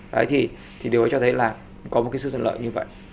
đấy thì điều ấy cho thấy là có một cái sự thuận lợi như vậy